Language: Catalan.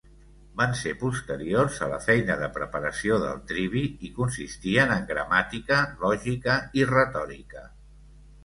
Van ser posteriors a la feina de preparació del trivi i consistien en gramàtica, lògica i retòrica.